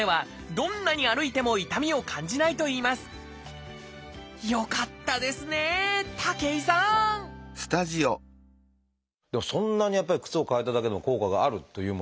そんなにやっぱり靴を替えただけでも効果があるというものですか？